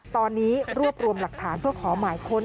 ตอนนี้รวบรวมหลักฐานเพื่อขอหมายค้น